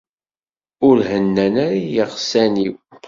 Ur hennan ara yiɣsan-iw.